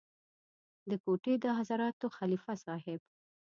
د کوټې د حضرتانو خلیفه صاحب.